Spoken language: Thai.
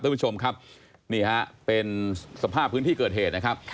คุณผู้ชมครับนี่ฮะเป็นสภาพพื้นที่เกิดเหตุนะครับ